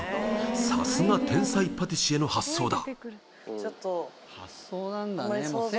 さすが天才パティシエの発想だ。